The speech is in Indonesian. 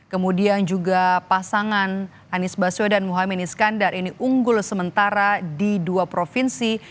kemudian juga pasangan anies baswedan muhaymin iskandar ini unggul sementara di dua provinsi